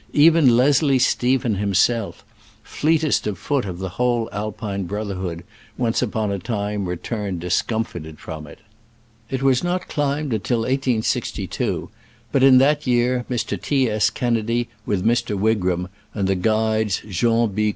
Even Leslie Stephen himself, fleetest of foot of the whole Alpine brotherhood, once upon a time returned discomfited from it. It was not climbed until 1862, but in that year Mr. T. S. Kennedy, with Mr. Wigram and the guides Jean B.